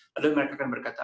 lalu mereka akan berkata